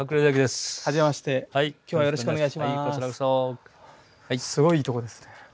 すごいいいところですね。